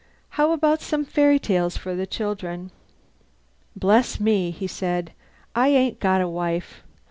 How about some fairy tales for the children?" "Bless me," he said, "I ain't got a wife.